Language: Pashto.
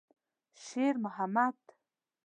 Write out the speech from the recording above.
شېرمحمد.